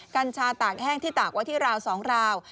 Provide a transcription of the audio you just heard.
กัญชาตากแห้งที่ตากไว้ที่ราว๒ราว